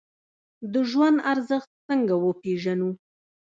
د ژوند ارزښت څنګه وپیژنو؟